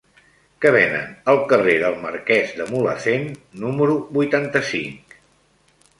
Què venen al carrer del Marquès de Mulhacén número vuitanta-cinc?